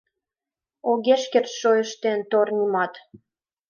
Огеш керт шойыштен тор нимат.